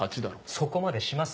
そこまでします？